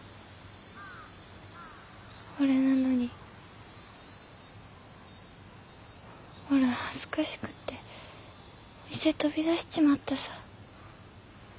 ほれなのにおら恥ずかしくって店飛び出しちまったさ。